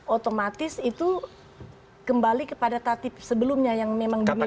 otomatis itu kembali kepada tatib sebelumnya yang memang diminta